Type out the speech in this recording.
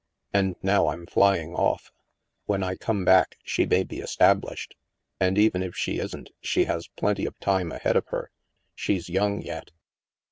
And now I'm flying off. When I come back, she may be estab lished. And, even if she isn't, she has plenty of time ahead of her. She's young yet."